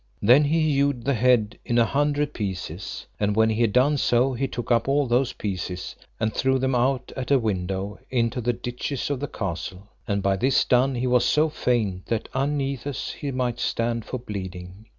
Then he hewed the head in an hundred pieces. And when he had done so he took up all those pieces, and threw them out at a window into the ditches of the castle; and by this done he was so faint that unnethes he might stand for bleeding.